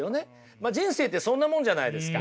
まあ人生ってそんなもんじゃないですか。